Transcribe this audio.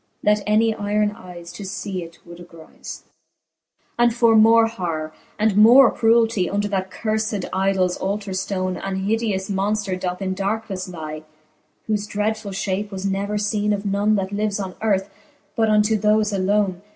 That any yron eyes to fee it would agrize. XXIX. And for more horror and more crueltie. Under that curfed idols altar ftone An hideous monfter doth in darknefle lie, Whole dreadfuU fhape was never leene of none, That lives on earth ; but unto thofe alone.